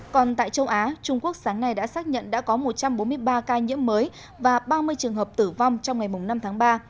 còn tại châu á trung quốc sáng nay đã xác nhận đã có một trăm bốn mươi ba ca nhiễm mới và ba mươi trường hợp tử vong trong ngày năm tháng ba